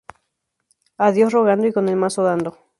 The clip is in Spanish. A Dios rogando y con el mazo dando